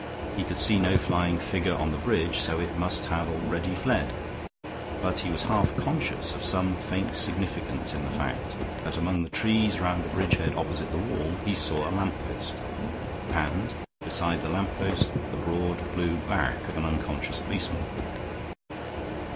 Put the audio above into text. He could see no flying figure on the bridge, so it must have already fled; but he was half conscious of some faint significance in the fact that among the trees round the bridgehead opposite the wall he saw a lamp post; and, beside the lamp post, the broad blue back of an unconscious policeman.